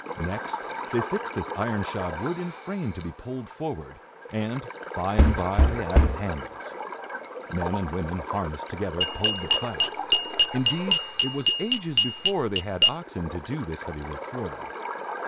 Next, they fixed this iron shod wood in a frame to be pulled forward, and, by and by, they added handles. Men and women, harnessed together, pulled the plough. Indeed it was ages before they had oxen to do this heavy work for them.